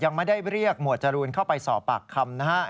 ยังไม่ได้เรียกหมวดจรูนเข้าไปสอบปากคำนะฮะ